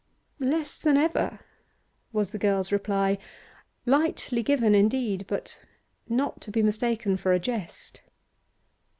'Less than ever,' was the girl's reply, lightly given, indeed, but not to be mistaken for a jest.